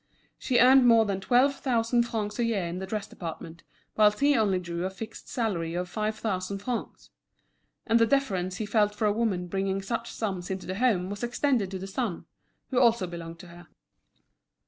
She earned more than twelve thousand francs a year in the dress department, whilst he only drew a fixed salary of five thousand francs. And the deference he felt for a woman bringing such sums into the home was extended to the son, who also belonged to her.